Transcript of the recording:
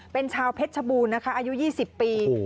เป็นชาวเพชรชบูรณ์นะคะอายุ๒๐ปี